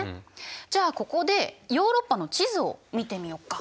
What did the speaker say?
じゃあここでヨーロッパの地図を見てみようか。